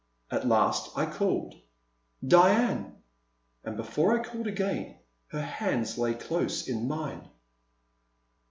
At last I called, Diane,*' and before I called again, her hands lay close in mine.